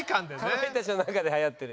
かまいたちの中ではやってる。